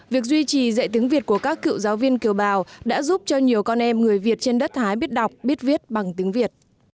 việc duy trì dạy tiếng việt của các cựu giáo viên kiều bào đã giúp cho nhiều con em người việt trên đất thái biết đọc biết viết bằng tiếng việt